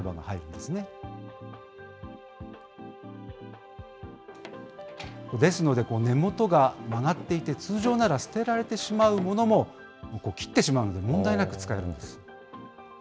ですので、根元が曲がっていて、通常なら捨てられてしまうものも、切ってしまうんで、問題なく使えるんです。